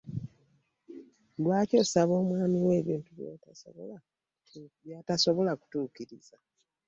Lwaki osaba omwami wo ebintu byatasobola kutukiriza?